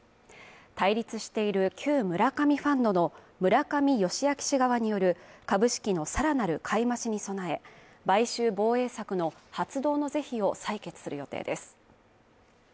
対立している旧村上ファンドの村上世彰氏側による株式の更なる買い増しに備え買収防衛策の発動の是非を採決する予定です。